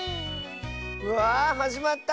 うわあはじまった。